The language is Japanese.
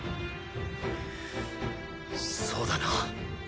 そうだな。